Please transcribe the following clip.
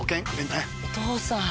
お母さん。